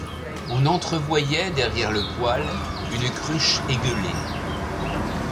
On entrevoyait derrière le poêle une cruche égueulée.